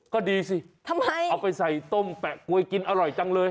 ก็ดีสิทำไมเอาไปใส่ต้มแปะกลวยกินอร่อยจังเลย